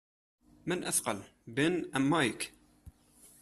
من أثقل بِن أم مايك ؟